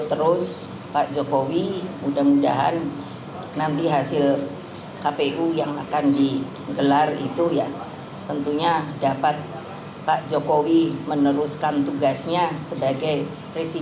jadi kita boleh saja berbeda tapi kita tetap merupakan warga bangsa